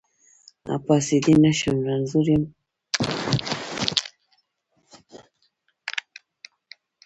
پاڅېدی نشمه رنځور يم، ستا د وصال مي کول هره شپه سوالونه